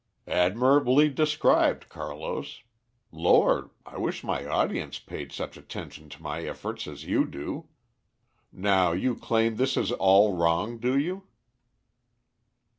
"Admirably described, Carlos. Lord! I wish my audience paid such attention to my efforts as you do. Now you claim this is all wrong, do you?"